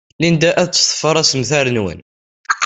Linda ad teḍfer assemter-nwent.